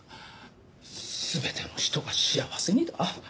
「すべての人が幸せに」だ？